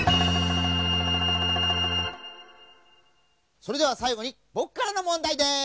それではさいごにぼくからのもんだいです！